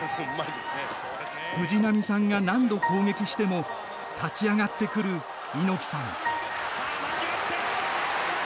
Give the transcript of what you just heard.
藤波さんが何度攻撃しても立ち上がってくる猪木さん。